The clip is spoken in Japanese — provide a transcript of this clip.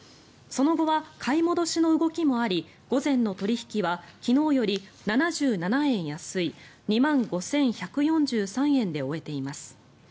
その後は買い戻しの動きもあり午前の取引は昨日より７７円安い２万５１４３円で終えています。